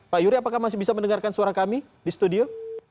pak yuri apakah masih bisa mendengarkan suara kami di studio